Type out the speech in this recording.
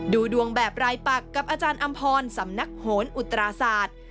ดูดวงแบบรายปักกับอาจารย์อำพรสำนักโหนอุตราศาสตร์